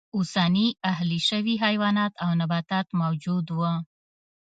اوسني اهلي شوي حیوانات او نباتات موجود و.